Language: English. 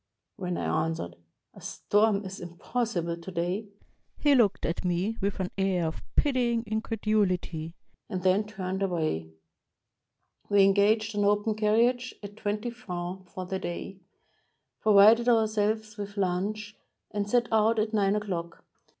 When I answered, "A storm is impossible to day," he looked at me with an air of pitying increduhty, and then turned away. We engaged an open carriage at twenty francs for the day, provided ourselves with lunch, and set out at nine o'clock.